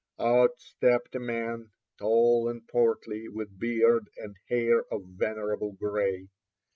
Out stepped a man, tall and portly, with beard and hair of venerable gray.